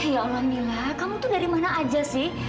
ya allah mila kamu tuh dari mana aja sih